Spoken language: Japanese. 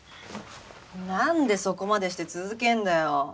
何でそこまでして続けんだよ